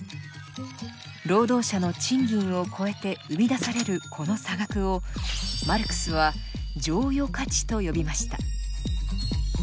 労働者の賃金を超えて生み出されるこの差額をマルクスは「剰余価値」と呼びました。